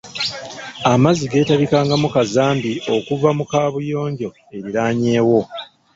Amazzi geetabikangamu kazambi okuva mu kaabuyonjo eriraanyeewo.